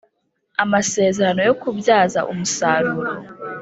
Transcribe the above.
Amasezerano yo kubyaza umusaruro